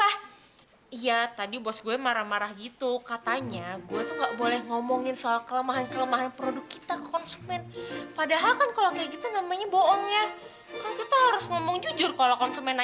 hai maaf ya tadi saya lupa bilang kalau panah itu paling enggak suka diganggu jika sedang